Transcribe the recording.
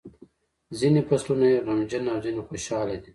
ځینې فصلونه یې غمجن او ځینې خوشاله دي.